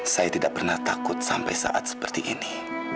saya tidak pernah takut sampai saat seperti ini